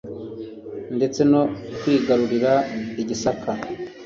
ndetse no kwigarurira i gisaka